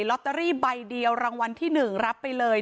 ลอตเตอรี่ใบเดียวรางวัลที่๑รับไปเลย